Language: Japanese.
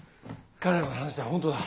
彼らの話は本当だ。